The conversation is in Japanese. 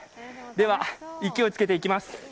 では、勢いつけていきます。